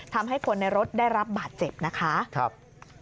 ทำให้คนในรถได้รับบาดเจ็บนะคะ